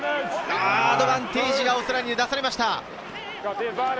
アドバンテージがオーストラリアに出されました。